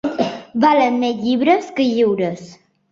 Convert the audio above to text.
Valen més llibres que lliures.